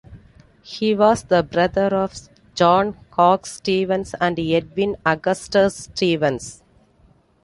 He was the brother of John Cox Stevens and Edwin Augustus Stevens.